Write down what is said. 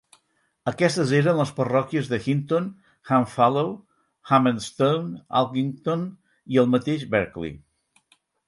Aquestes eren les parròquies de Hinton, Hamfallow, Ham and Stone, Alkington i el mateix Berkeley.